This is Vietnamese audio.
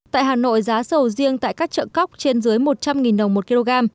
tại hà nội giá sầu riêng tại các chợ cóc trên dưới một trăm linh đồng một kg